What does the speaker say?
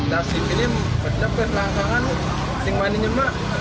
nasi ini pecah pecah pelangkangan sing mani nyemak